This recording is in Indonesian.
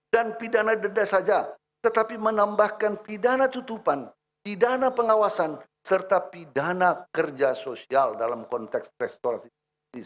dan pidana dedes saja tetapi menambahkan pidana tutupan pidana pengawasan serta pidana kerja sosial dalam konteks restoratif